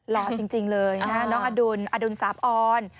หล่อจริงเลยนะน้องอดุลอดุลสาบออน